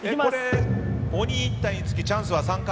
鬼１体につきチャンスは３回。